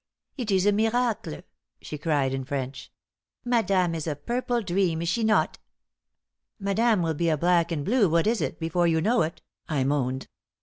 "It is a miracle!" she cried in French. "Madame is a purple dream, is she not?" "Madame will be a black and blue what is it before you know it," I moaned.